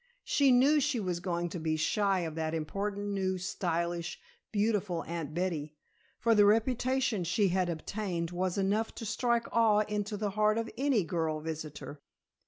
She knew she was going to be shy of that important new, stylish, beautiful Aunt Betty, for the reputation she had obtained was enough to strike awe into the heart of any girl visitor.